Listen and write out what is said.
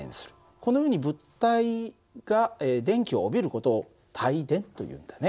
このように物体が電気を帯びる事を帯電というんだね。